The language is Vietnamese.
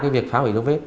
việc phá hủy dấu vết